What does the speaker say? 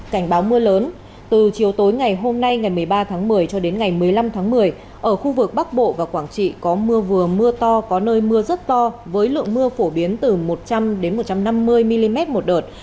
cảnh báo mưa lớn từ chiều tối ngày hôm nay ngày một mươi ba tháng một mươi cho đến ngày một mươi năm tháng một mươi ở khu vực bắc bộ và quảng trị có mưa vừa mưa to có nơi mưa rất to với lượng mưa phổ biến từ một trăm linh một trăm năm mươi mm một đợt